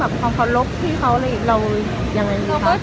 มองเขาลบพี่เขาเรายังไงหรือครับ